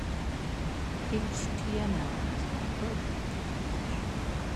HTML is not a programming language.